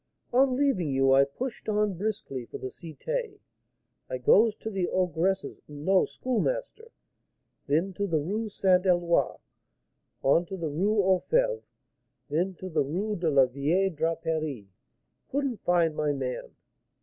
"On leaving you, I pushed on briskly for the Cité. I goes to the ogress's, no Schoolmaster; then to the Rue Saint Eloi; on to the Rue aux Fêves; then to the Rue de la Vieille Draperie, couldn't find my man.